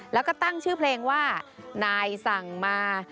แล้วก็ตั้งชื่อเพลงว่านายสั่งมา